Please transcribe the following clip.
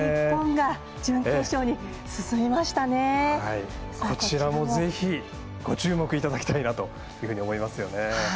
こちらもぜひご注目いただきたいなと思います。